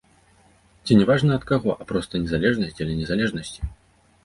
Ці не важна ад каго, а проста незалежнасць дзеля незалежнасці?